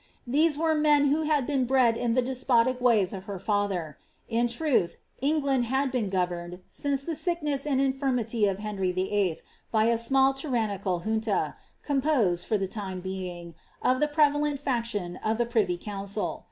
These were men who had been bred in the despotic ways of her father. In truth, England had been governed, since the sickness and infirmity of Henry VHI., by a small tyrannical junta, composed (for the time being) of the prevalent faction in the privy council.